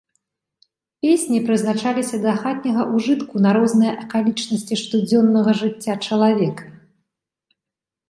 Песні прызначаліся да хатняга ўжытку на розныя акалічнасці штодзённага жыцця чалавека.